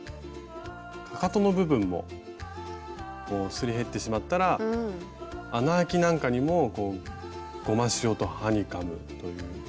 かかとの部分もすり減ってしまったら穴あきなんかにもゴマシオとハニカムという。